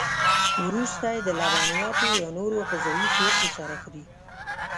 وروسته یې د لبنیاتو یا نورو غذایي توکو سره خوري.